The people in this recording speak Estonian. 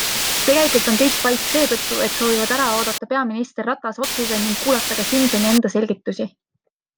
Tegelikult on kõik vait seetõttu, et soovivad ära oodata peaminister Ratase otsuse ning kuulata ka Simsoni enda selgitusi.